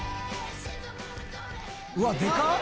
うわっでかっ！